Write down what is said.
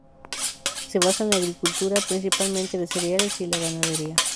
Se basa en la agricultura, principalmente de cereales y la ganadería.